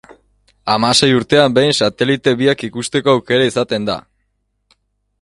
Hamasei urtean behin satelite biak ikusteko aukera izaten da.